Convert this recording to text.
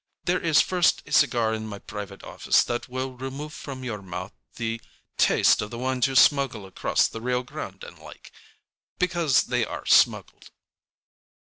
There is first a cigar in my private office that will remove from your mouth the taste of the ones you smuggle across the Rio Grande and like—because they are smuggled."